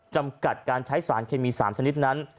จำกัดการใช้สารเคมี๓ชนิดนั้น